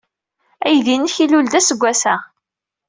Aydi-nnek ilul-d aseggas-a.